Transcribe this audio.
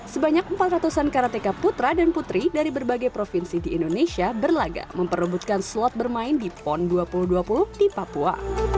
sebanyak empat ratus an karateka putra dan putri dari berbagai provinsi di indonesia berlaga memperebutkan slot bermain di pon dua ribu dua puluh di papua